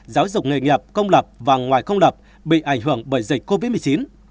giáo dục nghề nghiệp công lập và ngoài công lập bị ảnh hưởng bởi dịch covid một mươi chín